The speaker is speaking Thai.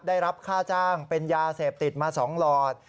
ได้รับค่าจ้างเป็นยาเสพติดมา๒หลอด